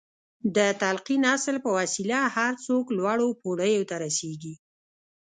د تلقين اصل په وسيله هر څوک لوړو پوړيو ته رسېږي.